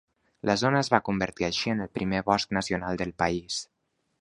La zona va convertir així en el primer bosc nacional del país.